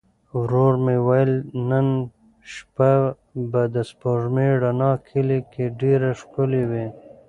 ورور مې وویل نن شپه به د سپوږمۍ رڼا کلي کې ډېره ښکلې وي.